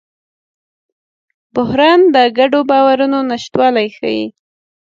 بحران د ګډو باورونو نشتوالی ښيي.